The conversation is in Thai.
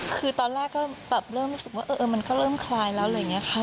คือตอนแรกก็แบบเริ่มรู้สึกว่ามันก็เริ่มคลายแล้วอะไรอย่างนี้ค่ะ